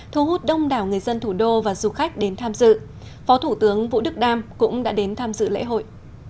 thu hút đông đảo người dân thủ đô và du khách đến tham dự phó thủ tướng vũ đức đam cũng đã đến tham dự lễ hội